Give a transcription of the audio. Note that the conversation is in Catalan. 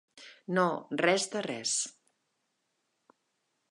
No, res de res.